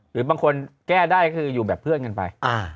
หรือบางคนแก้ได้คืออยู่แบบเพื่อนกันไป